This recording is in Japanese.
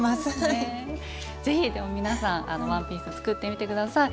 是非皆さんワンピース作ってみて下さい。